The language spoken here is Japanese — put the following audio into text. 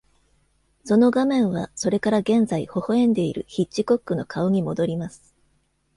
その画面はそれから現在微笑んでいるヒッチコックの顔に戻ります。